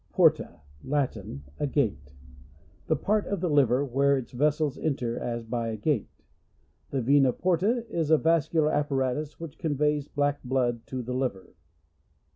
Porta. — Latin. A gate. The part of the liver, where its vessels enter as by a gate. The vena porta is a vascul ir apparatus, which conveys black blood to the liver.